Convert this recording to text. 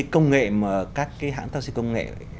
công nghệ mà các hãng taxi công nghệ